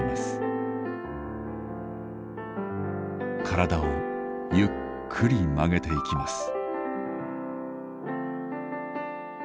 体をゆっくり曲げていきます。